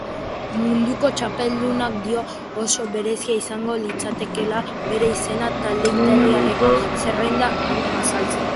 Munduko txapeldunak dio oso berezia izango litzatekeela bere izena talde italiarreko zerrendan azaltzea.